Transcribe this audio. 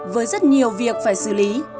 với rất nhiều việc phải xử lý